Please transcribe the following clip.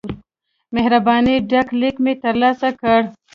مهربانی ډک لیک مې ترلاسه کړ.